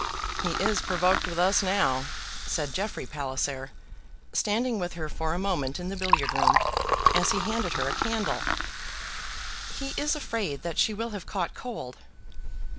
"He is provoked with us, now," said Jeffrey Palliser, standing with her for a moment in the billiard room, as he handed her a candle. "He is afraid that she will have caught cold."